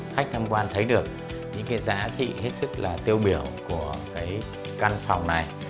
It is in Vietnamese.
khách tham quan thấy được những cái giá trị hết sức là tiêu biểu của cái căn phòng này